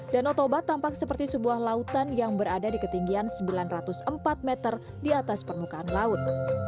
danau toba tampak seperti sebuah lautan yang berada di ketinggian sembilan ratus empat meter di atas permukaan laut